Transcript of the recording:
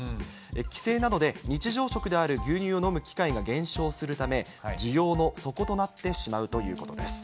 帰省などで日常食である牛乳を飲む機会が減少するため、需要の底となってしまうということです。